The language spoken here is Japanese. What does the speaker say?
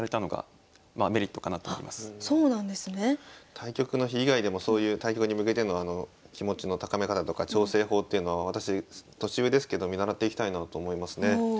対局の日以外でもそういう対局に向けての気持ちの高め方とか調整法っていうのは私年上ですけど見習っていきたいなと思いますね。